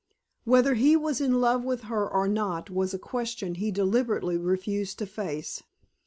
Whether he was in love with her or not was a question he deliberately refused to face.